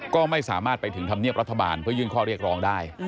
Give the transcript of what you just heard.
ก็ไม่สามารถไปถึงธรรมเนียบรัฐบาลเพื่อยื่นข้อเรียกร้องได้